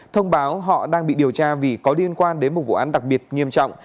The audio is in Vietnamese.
thông báo họ đang bị điều tra vì có liên quan đến một vụ án đặc biệt nghiêm trọng